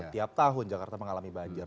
tiap tahun jakarta mengalami banjir